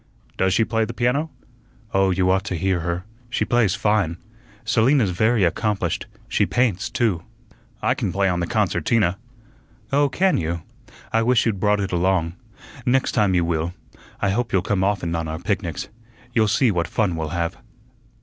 "Does she play the piano?" "Oh, you ought to hear her. She plays fine. Selina's very accomplished. She paints, too." "I can play on the concertina." "Oh, can you? I wish you'd brought it along. Next time you will. I hope you'll come often on our picnics. You'll see what fun we'll have."